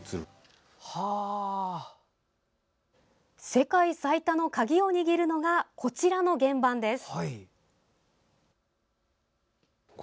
世界最多の鍵を握るのがこちらの原板です。